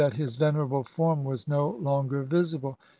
. his venerable form was no longer visible.